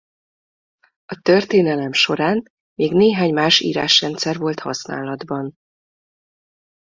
A történelem során még néhány más írásrendszer volt használatban.